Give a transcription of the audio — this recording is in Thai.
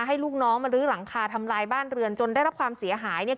ให้ลูกน้องมาลื้อหลังคาทำลายบ้านเรือนจนได้รับความเสียหายเนี่ย